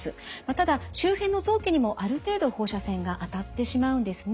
ただ周辺の臓器にもある程度放射線が当たってしまうんですね。